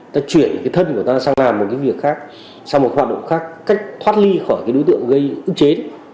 ta chuyển cái thân của ta sang làm một cái việc khác sang một hoạt động khác cách thoát ly khỏi cái đối tượng gây ức chế